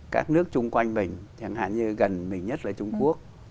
các nước chung quanh mình chẳng hạn như gần mình nhất là trung quốc